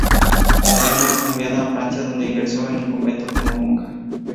La reina fue enviada a Francia, donde ingresó en un convento como monja.